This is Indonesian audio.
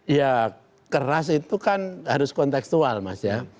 ya keras itu kan harus konteksual mas ya